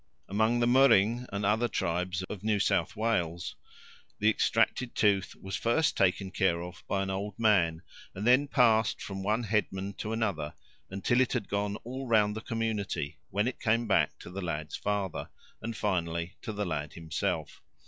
Among the Murring and other tribes of New South Wales the extracted tooth was at first taken care of by an old man, and then passed from one headman to another, until it had gone all round the community, when it came back to the lad's father, and finally to the lad himself.